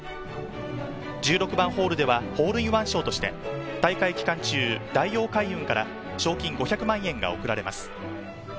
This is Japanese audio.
１６番ホールではホールインワン賞として、大会期間中、大王海運から賞金５００万円が贈られます。